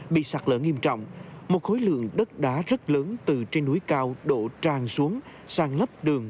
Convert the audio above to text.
bị sạt lở nghiêm trọng một khối lượng đất đá rất lớn từ trên núi cao đổ tràn xuống sang lấp đường